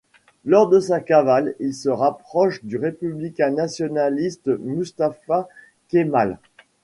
Lors de sa cavale, il se rapproche du républicain nationaliste Mustafa Kemal.